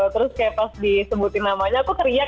terus kayak pas disebutin namanya aku teriak